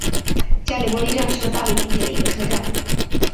加里波第站是巴黎地铁的一个车站。